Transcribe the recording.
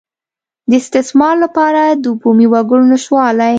د استثمار لپاره د بومي وګړو نشتوالی.